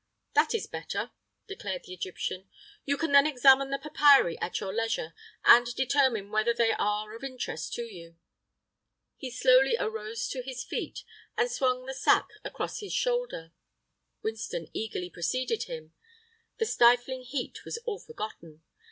"That is better," declared the Egyptian. "You can then examine the papyri at your leisure and determine whether they are of interest to you." He slowly arose to his feet and swung the sack across his shoulder. Winston eagerly preceded him. The stifling heat was all forgotten.